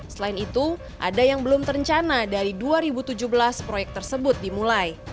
selain itu ada yang belum terencana dari dua ribu tujuh belas proyek tersebut dimulai